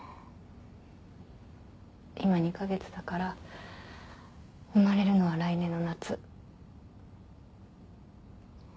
今２か月だから生まれるのは来年の夏。